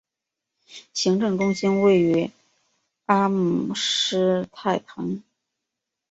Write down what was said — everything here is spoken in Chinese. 行政中心位于阿姆施泰滕。